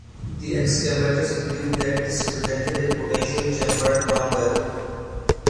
The excavators believed that this represented a potential chambered long barrow.